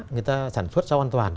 người ta sản xuất rau an toàn